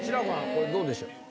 これどうでしょう？